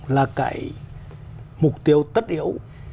là cái mục tiêu tất yếu